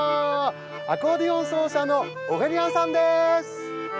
アコーディオン奏者のオレリアンさんです。